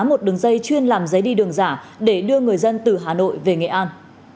một đường dây chuyên làm giấy đi đường giả để đưa người dân từ hà nội về nghệ an